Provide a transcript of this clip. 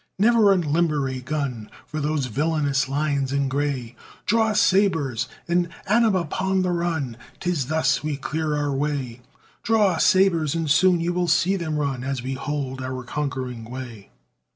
Never unlimber a gun For those villainous lines in gray; Draw sabres! and at 'em upon the run! 'Tis thus we clear our way; Draw sabres, and soon you will see them run, As we hold our conquering way.